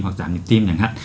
hoặc giảm nhịp tim nhẳng hẳn